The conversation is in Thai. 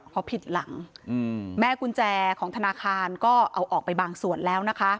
เพราะผิดหลังแม่กุญแจของธนาคารก็เอาออกไปบางส่วนแล้วนะคะ